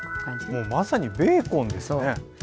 もうまさにベーコンですね。